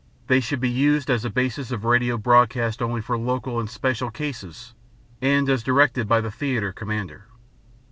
They should be used as a basis of radio broadcasts only for local and special cases and as directed by the theater commander.